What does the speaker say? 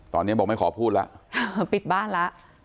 ตอนนี้บอกไม่ขอพูดแล้วปิดบ้านแล้ว